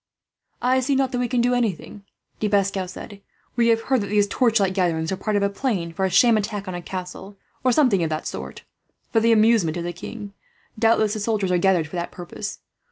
"I see not that we can do anything," De Pascal said. "We have heard that these torchlight gatherings are part of a plan for a sham attack on a castle, or something of that sort, for the amusement of the king. Doubtless the soldiers are gathered for that purpose.